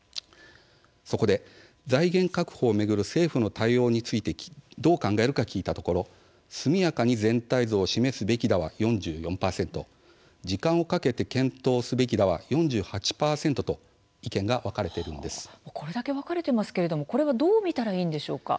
そこで財源確保を巡る政府の対応についてどう考えるか聞いたところすみやかに全体像を示すべきだは４４％時間をかけて検討すべきだは４８％とこれはどう見たらいいんでしょうか。